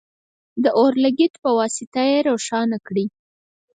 د اور لګیت په واسطه یې روښانه کړئ.